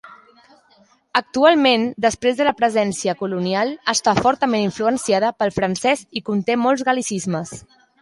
Actualment, després de la presència colonial, està fortament influenciada pel francés i conté molts gal·licismes.